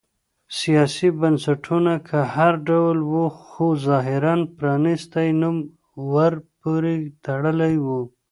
سیاسي بنسټونه که هر ډول و خو ظاهراً پرانیستی نوم ورپورې تړلی و.